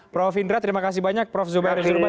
prof indra terima kasih banyak prof zubair zubair